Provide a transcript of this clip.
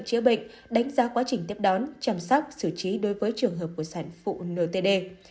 chữa bệnh đánh giá quá trình tiếp đón chăm sóc xử trí đối với trường hợp của sản phụ nêu tê đê